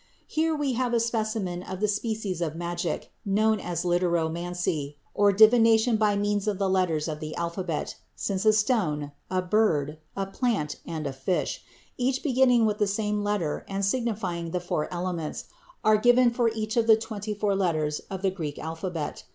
Here we have a specimen of the species of magic known as litteromancy, or divination by means of the letters of the alphabet, since a stone, a bird, a plant, and a fish, each beginning with the same letter and signifying the four elements, are given for each of the twenty four letters of the Greek alphabet.